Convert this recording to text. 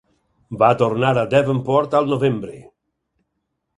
Va tornar a Devonport al novembre.